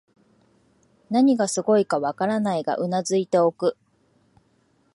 何がすごいかわからないが頷いておく